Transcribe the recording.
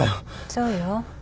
そうよ。